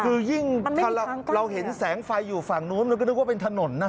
คือยิ่งถ้าเราเห็นแสงไฟอยู่ฝั่งนู้นมันก็นึกว่าเป็นถนนนะ